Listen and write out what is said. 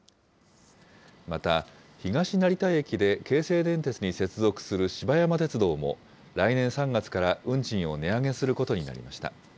また、東成田駅で京成電鉄に接続する芝山鉄道も、来年３月から運賃を値上げすることになりました。